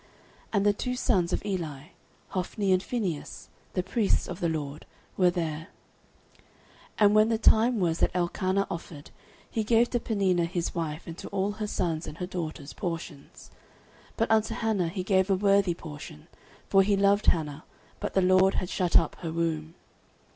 And the two sons of Eli, Hophni and Phinehas, the priests of the LORD, were there. 09:001:004 And when the time was that Elkanah offered, he gave to Peninnah his wife, and to all her sons and her daughters, portions: 09:001:005 But unto Hannah he gave a worthy portion; for he loved Hannah: but the LORD had shut up her womb.